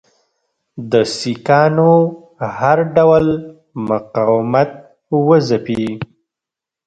د سیکهانو هر ډول مقاومت وځپي.